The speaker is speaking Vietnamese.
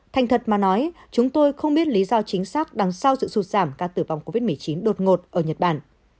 thành thật mà nói chúng tôi không biết lý do chính xác đằng sau sự sụt giảm ca tử vong covid một mươi chín đột ngột ở nhật bản